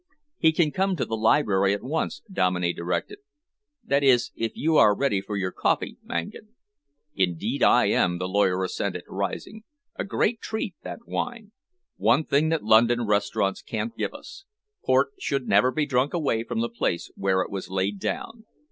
"He can come to the library at once," Dominey directed; "that is, if you are ready for your coffee, Mangan." "Indeed I am," the lawyer assented, rising. "A great treat, that wine. One thing the London restaurants can't give us. Port should never be drunk away from the place where it was laid down."